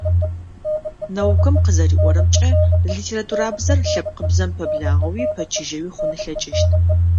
Наукэм къызэриӏорэмкӏэ, литературабзэр лъэпкъыбзэм пэблагъэуи пэчыжьэуи хъун ылъэкӀыщт.